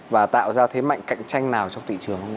và tạo ra thế mạnh cạnh tranh nào trong thị trường không ạ